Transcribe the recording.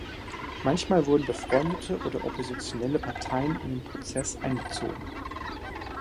Manchmal wurden befreundete oder oppositionelle Parteien in den Prozess einbezogen.